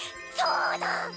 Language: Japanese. そうだ！